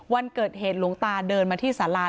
วันเกิดเหตุหลวงตาเดินมาที่สารา